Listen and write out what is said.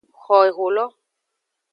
Xo eholo.